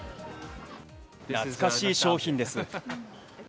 懐かしい商品です。